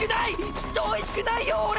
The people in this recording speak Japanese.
きっとおいしくないよ俺！